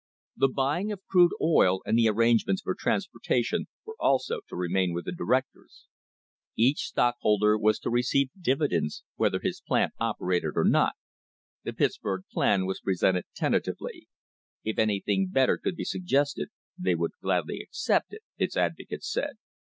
The buying of crude oil and the arrangements for transportation were also to remain with the directors. Each stockholder was to receive dividends whether his plant operated or not. The "Pittsburg Plan" was presented tentatively. If anything better could be suggested they would gladly accept it, its advocates said.